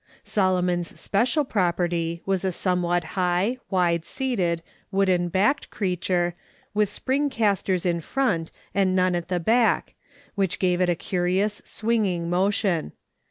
Solomon's special property was a somewhat high, wide seated, wooden backed creature, with spring castors in front, and none at the back, which gave it "SHO! THAT ARGUMENT UPSETS itself:' 263 a curious, swinging motion.